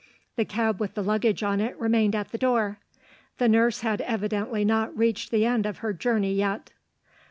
The cab with the luggage on it remained at the door. The nurse had evidently not reached the end of her journey yet.